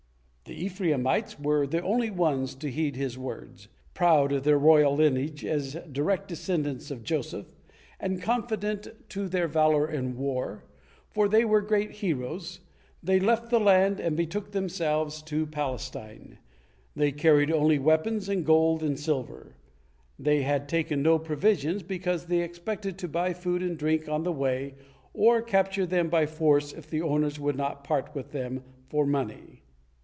The Ephraimites were the only ones to heed his words. Proud of their royal lineage as direct descendants of Joseph, and confident to their valor in war, for they were great heroes, they left the land and betook themselves to Palestine. They Carried only weapons and gold and silver. They had taken no provisions, because they expected to buy food and drink on the way or capture them by force if the owners would not part with them for money.